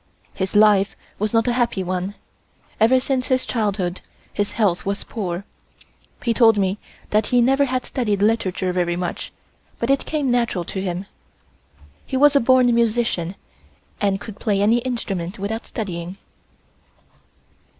His life was not a happy one; ever since his childhood his health was poor. He told me that he never had studied literature very much, but it came natural to him. He was a born musician and could play any instrument without studying.